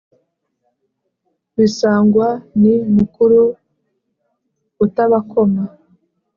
Bisangwa ni mukuru utabakoma